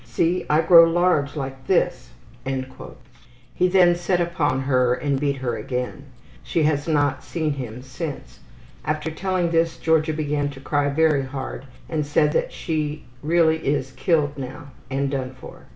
See, I grow large like this.' '' He then set upon her and beat her again. She has not seen him since. After telling this Georgia began to cry very hard and said that she really is killed now and is done for.